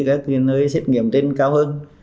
các nơi xét nghiệm trên cao hơn